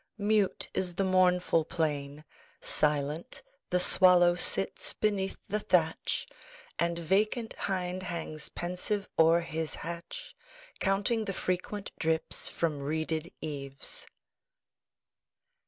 Mute is the mournful plain; Silent the swallow sits beneath the thatch, And vacant hind hangs pensive o'er his hatch, Counting the frequent drips from reeded eaves.